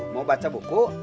mau baca buku